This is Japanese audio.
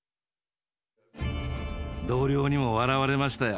同僚にも笑われましたよ。